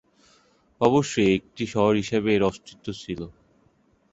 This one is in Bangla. অবশ্যই একটি শহর হিসেবে এর অস্তিত্ব ছিল।